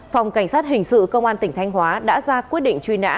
phòng cảnh sát hình sự công an tỉnh thanh hóa đã ra quyết định truy nã